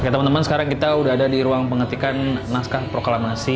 teman teman sekarang kita sudah ada di ruang pengetikan naskah proklamasi